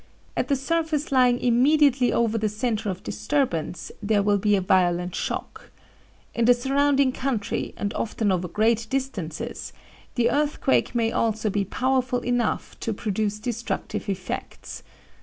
At the surface lying immediately over the centre of disturbance there will be a violent shock. In the surrounding country, and often over great distances, the earthquake may also be powerful enough to produce destructive effects.